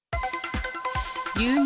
牛乳